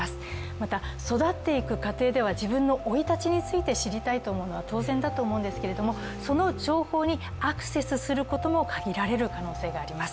また、育っていく家庭では自分の生い立ちについて知ることは当然だと思うんですけれども、その情報にアクセスすることも限られる可能性があります。